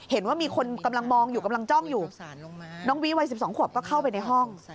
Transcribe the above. เห็นว่ามีคนกำลังมองอยู่กำลังจ้องอยู่น้องวีวัย๑๒ขวบก็เข้าไปในห้อง